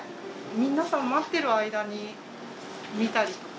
皆さん待っている間に見たりとか。